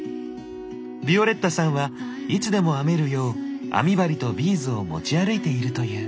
ヴィオレッタさんはいつでも編めるよう編み針とビーズを持ち歩いているという。